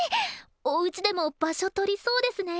おうちでも場所とりそうですね。